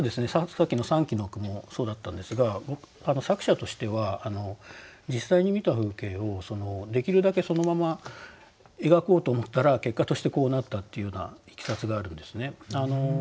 さっきの三鬼の句もそうだったんですが作者としては実際に見た風景をできるだけそのまま描こうと思ったら結果としてこうなったっていうようないきさつがあるんですね。